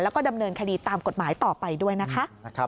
แล้วก็ดำเนินคดีตามกฎหมายต่อไปด้วยนะคะ